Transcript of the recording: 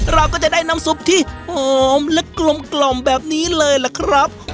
เราก็จะได้น้ำซุปที่หอมและกลมแบบนี้เลยล่ะครับ